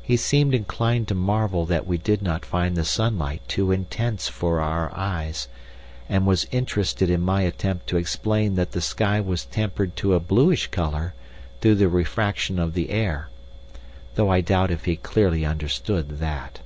He seemed inclined to marvel that we did not find the sunlight too intense for our eyes, and was interested in my attempt to explain that the sky was tempered to a bluish colour through the refraction of the air, though I doubt if he clearly understood that.